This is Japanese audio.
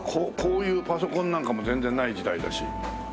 こういうパソコンなんかも全然ない時代だし。